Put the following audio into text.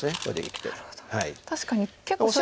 確かに結構白も。